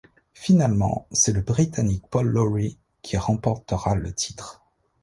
Finalement, c'est le britannique Paul Lawrie qui remportera le titre.